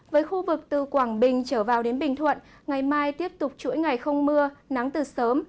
với khu vực từ quảng bình trở vào đến bình thuận ngày mai tiếp tục chuỗi ngày không mưa nắng từ sớm